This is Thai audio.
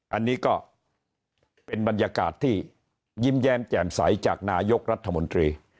อันนี้ก็เป็นบรรยากาศที่ยิ้มแย้มแจ่มใสจากนายกรัฐมนตรี